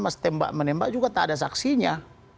mas tembak menembak juga tak ada saksinya